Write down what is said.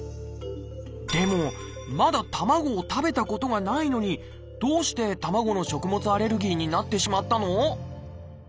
でもまだ卵を食べたことがないのにどうして卵の食物アレルギーになってしまったの？